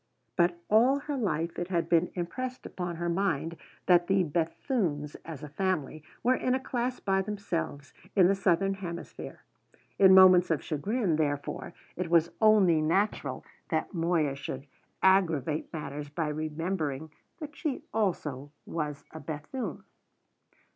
But all her life it had been impressed upon her mind that the Bethunes, as a family, were in a class by themselves in the southern hemisphere. In moments of chagrin, therefore, it was only natural that Moya should aggravate matters by remembering that she also was a Bethune.